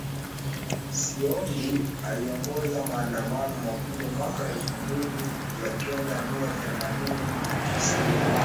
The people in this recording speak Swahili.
siambo aliongoza maandamano makubwa mwaka elfu mbili ya kenda mia themanini na tisa